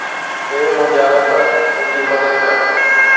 اي منهنجا رب، منهنجي مدد ڪر